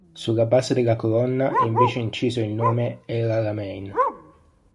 Sulla base della colonna è invece inciso il nome El Alamein.